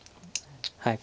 はい。